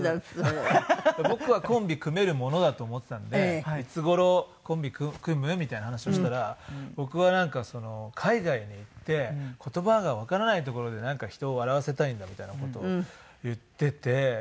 僕はコンビ組めるものだと思っていたんで「いつ頃コンビ組む？」みたいな話をしたら「僕はなんか海外に行って言葉がわからない所で人を笑わせたいんだ」みたいな事を言っていて。